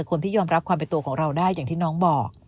คนที่ยอมรับความเป็นตัวของเราได้อย่างที่น้องบอก